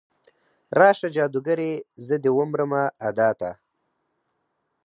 راشه جادوګرې، زه دې ومرمه ادا ته